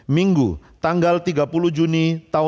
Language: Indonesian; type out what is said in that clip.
minggu tanggal tiga puluh juni dua ribu sembilan belas